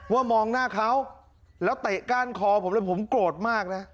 มองหน้าเขาแล้วเตะก้านคอผมเลยผมโกรธมากนะ